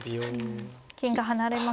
金が離れますし。